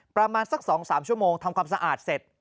ประมาณสัก๒๓ชั่วโมงทำความสะอาดเสร็จ